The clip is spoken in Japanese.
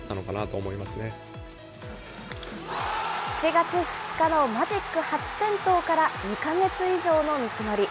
７月２日のマジック初点灯から２か月以上の道のり。